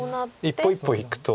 一歩一歩いくと。